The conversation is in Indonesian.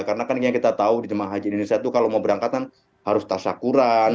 karena kan yang kita tahu di jemaah haji indonesia itu kalau mau berangkat kan harus tas syakuran